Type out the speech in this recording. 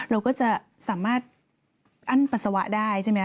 เราก็จะสามารถอั้นปัสสาวะได้ใช่ไหมค